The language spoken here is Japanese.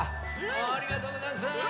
ありがとうござんす！